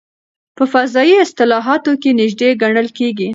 په فضایي اصطلاحاتو کې نژدې ګڼل کېږي.